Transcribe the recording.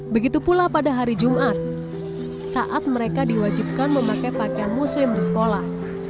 begitu pula pada hari jumat saat mereka diwajibkan memakai pakaian muslim di sekolah